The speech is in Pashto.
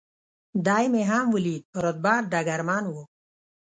دی مې هم ولید، په رتبه ډګرمن و.